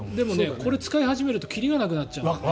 これを使い始めると切りがなくなっちゃう。